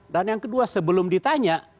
dan yang kedua sebelum ditanya